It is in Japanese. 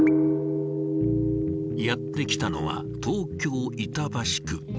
やって来たのは東京板橋区。